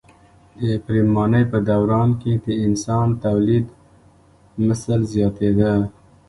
د پریمانۍ په دوران کې د انسان تولیدمثل زیاتېده.